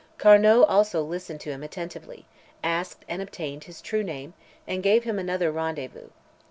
Carnot also listened to him attentively, asked and obtained his true name, and gave him another rendezvous.